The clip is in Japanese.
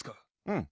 うん。